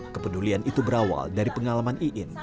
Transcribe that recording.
kepedulian itu berawal dari pengalaman iin